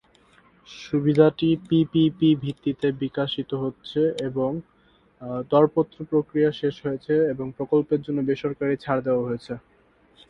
সুবিধাটি পিপিপি ভিত্তিতে বিকশিত হচ্ছে এবং দরপত্র প্রক্রিয়া শেষ হয়েছে এবং প্রকল্পের জন্য বেসরকারী ছাড় দেওয়া হয়েছে।